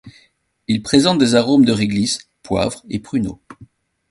Il présente des arômes de réglisse, poivre et pruneau.